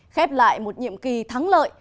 khép lại một nhiệm kỳ thắng lợi